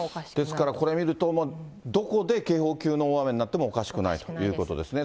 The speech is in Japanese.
ですから、これ見ると、どこで警報級の大雨になってもおかしくないということですね。